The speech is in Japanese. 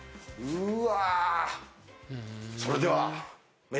うわ！